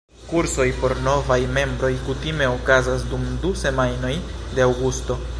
Kursoj por novaj membroj kutime okazas dum du semajnoj de aŭgusto.